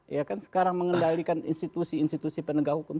ya kan sekarang mengendalikan institusi institusi penegak hukum